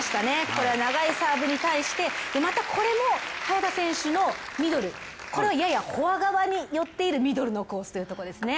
これ長いサーブに対してまた、これも早田選手のミドルこれをややフォア側に寄っているミドルのコースですね。